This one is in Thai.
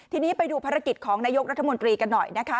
ทีนี้ไปดูภารกิจของนายกรัฐมนตรีกันหน่อยนะคะ